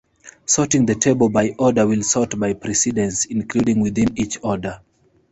Sorting the table by order will sort by precedence, including within each order.